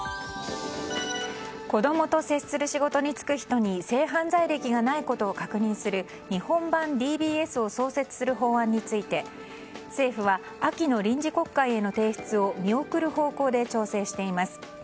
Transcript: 子供と接する仕事に就く人に性犯罪歴がないことを確認する日本版ＤＢＳを創設する法案について政府は秋の臨時国会への提出を見送る方向で調整しています。